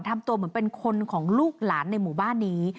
ทำตัวเหมือนเป็นคนของลูกหลานในหมู่บ้านนี้